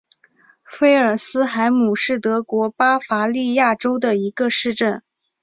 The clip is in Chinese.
菲尔斯海姆是德国巴伐利亚州的一个市镇。